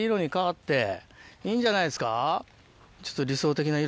いいんじゃないですか。